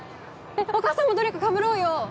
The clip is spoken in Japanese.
お母さんもどれかかぶろうよ